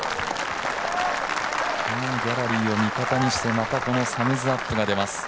ギャラリーを味方にして、またこのサムズアップが出ます。